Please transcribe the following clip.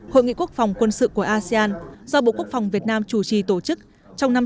hội nghị quốc phòng quân sự của asean do bộ quốc phòng việt nam chủ trì tổ chức trong năm